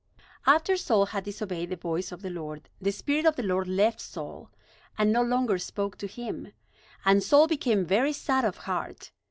After Saul had disobeyed the voice of the Lord, the Spirit of the Lord left Saul, and no longer spoke to him. And Saul became very sad of heart.